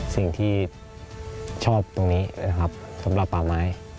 สิ่งที่ชอบตรงนี้นะครับสำหรับป่าไม้